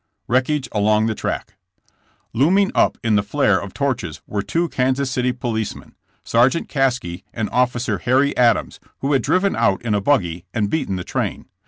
WRECKAGE ALONG THE TRACK. Looming up in the flare of torches were two Kansas City policemen, Sergeant Caskey and Officer Harry Adams, who had driven out in a buggy and beaten the train.